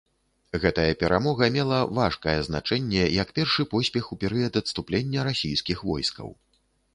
Гэтая перамога мела важкае значэнне як першы поспех у перыяд адступлення расійскіх войскаў.